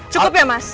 cukup ya mas